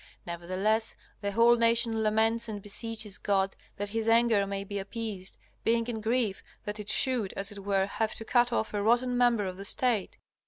Nevertheless, the whole nation laments and beseeches God that his anger may be appeased, being in grief that it should, as it were, have to cut off a rotten member of the State.